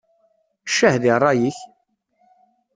Ccah di ṛṛay-ik!